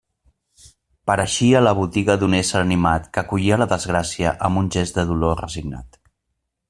Pareixia la botiga d'un ésser animat que acollia la desgràcia amb un gest de dolor resignat.